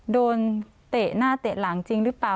โดนแตะหน้าแตะหลังจริงรึเปล่า